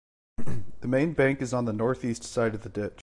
The main bank is on the north-east side of the ditch.